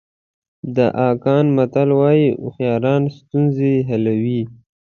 د اکان متل وایي هوښیاران ستونزې حلوي.